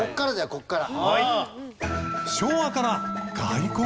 ここから。